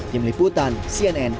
tim liputan cnn